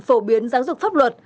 phổ biến giáo dục pháp luật